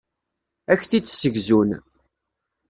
Ad ak-t-id-ssegzun.